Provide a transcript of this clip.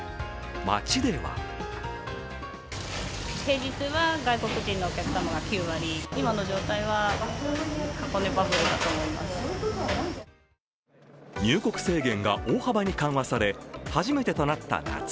街では入国制限が大幅に緩和され初めてとなった夏。